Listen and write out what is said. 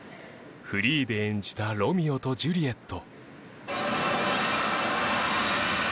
フリーで演じた『ロミオとジュリエット』。